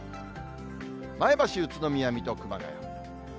前橋、宇都宮、水戸、熊谷。